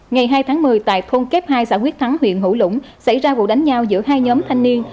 ngày hai tháng một mươi tại thôn kép hai xã quyết thắng huyện hữu lũng xảy ra vụ đánh nhau giữa hai nhóm thanh niên